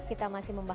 kita masih membahas